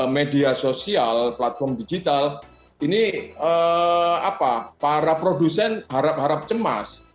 media sosial platform digital ini para produsen harap harap cemas